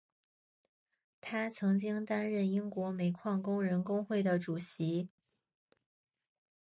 他曾经担任英国煤矿工人工会的主席。